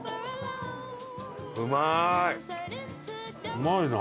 うまいな。